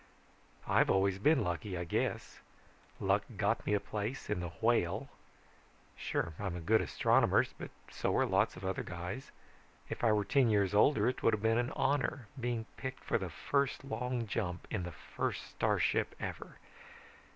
"I've always been lucky, I guess. Luck got me a place in the Whale. Sure I'm a good astronomer but so are lots of other guys. If I were ten years older, it would have been an honor, being picked for the first long jump in the first starship ever.